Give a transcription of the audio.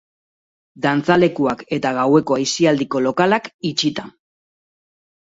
Dantzalekuak eta gaueko aisialdiko lokalak, itxita.